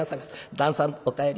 「旦さんおかえり」